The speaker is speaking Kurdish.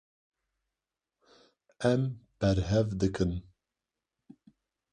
Ew berhev dikin.